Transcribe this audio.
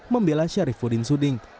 membela sarifudin suding